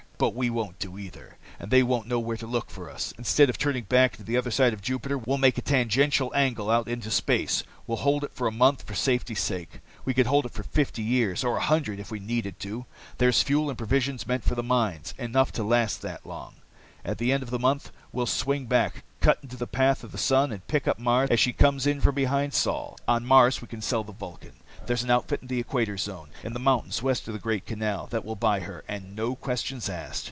"But we won't do either, and they won't know where to look for us. Instead of turning back on the other side of Jupiter, we'll make a tangential angle out into space. We'll hold it for a month, for safety's sake. We could hold for fifty years, or a hundred, if we needed to. There's fuel and provisions, meant for the mines, enough to last that long. "At the end of the month, we'll swing back, cut into the path of the sun, and pick up Mars as she comes in from behind Sol. "On Mars, we can sell the Vulcan. There's an outfit in the Equator Zone, in the mountains west of the Great Canal, that will buy her and no questions asked.